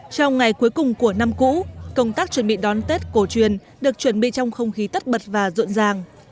trong ngày cuối cùng của năm cũ công tác chuẩn bị đón tết cổ truyền được chuẩn bị trong không khí tất bật và rộn ràng